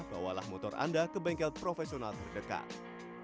bawalah motor anda ke bengkel profesional terdekat